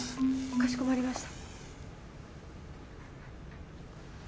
かしこまりました。